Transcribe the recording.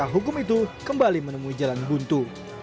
hukum itu kembali menemui jalan buntu